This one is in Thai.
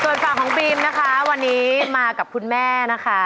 ส่วนฝั่งของฟิล์มนะคะวันนี้มากับคุณแม่นะคะ